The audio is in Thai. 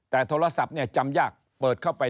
แต่โทรศัพท์จำยากเปิดเข้าไป